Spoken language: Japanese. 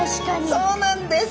そうなんです。